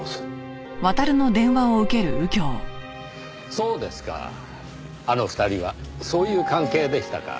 そうですかあの２人はそういう関係でしたか。